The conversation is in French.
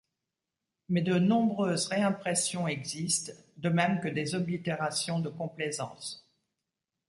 Mais de nombreuses réimpressions existent de même que des oblitérations de complaisance.